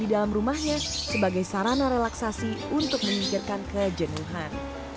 di dalam rumahnya sebagai sarana relaksasi untuk menyingkirkan kejenuhan